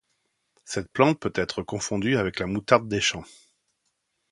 Cette plante peut être confondue avec la moutarde des champs.